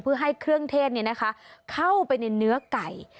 เพื่อให้เครื่องเทศเข้าไปในเนื้อไก่